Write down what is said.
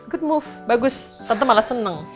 good move bagus tante malah senang